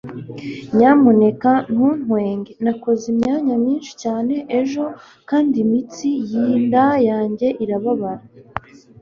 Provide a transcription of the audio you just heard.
Nyamuneka ntuntwenge Nakoze imyanya myinshi cyane ejo kandi imitsi yinda yanjye irababara